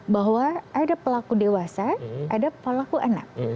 bahwa ada pelaku dewasa ada pelaku anak